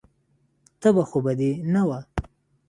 تبه خو به دې نه وه.